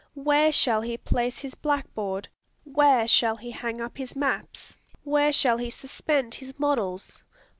Where shall he place his blackboard? where shall he hang up his maps? where shall he suspend his models?